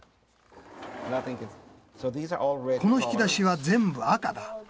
この引き出しは全部赤だ。